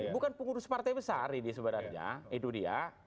bukan pengurus partai besar ini sebenarnya itu dia